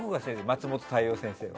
松本大洋先生は。